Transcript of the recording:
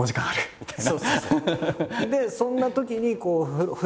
みたいな。